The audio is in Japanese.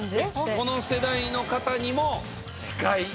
この世代の方にも近い歌。